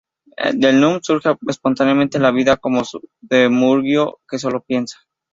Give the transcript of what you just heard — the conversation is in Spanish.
Del "Nun" surge espontáneamente la vida como demiurgo que sólo piensa.